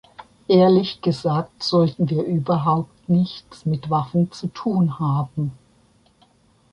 Ehrlich gesagt, sollten wir überhaupt nichts mit Waffen zu tun haben.